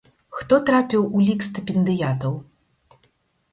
Хто трапіў у лік стыпендыятаў?